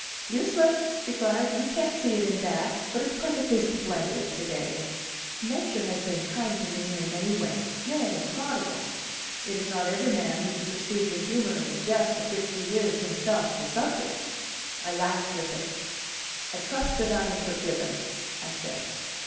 "Useless!" she cried, "you can't see it in that. But it's perfectly splendid to day." Nature has been kind to me in many ways nay, prodigal; it is not every man who can perceive the humor in a jest of which he is himself the subject. I laughed with her. "I trust that I am forgiven," I said.